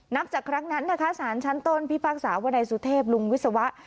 นับจากครั้งนั้นนะคะสารชั้นต้นพิพากษาวนายสุเทพลุงวิศวะ